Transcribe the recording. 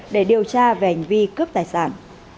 để điều tra về hành vi cướp tài sản